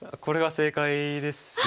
これが正解ですし。